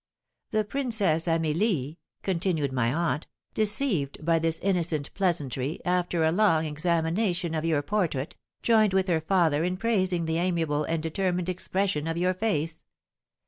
"The Princess Amelie," continued my aunt, "deceived by this innocent pleasantry, after a long examination of your portrait, joined with her father in praising the amiable and determined expression of your face.